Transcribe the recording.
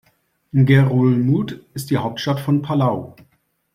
Ngerulmud ist die Hauptstadt von Palau.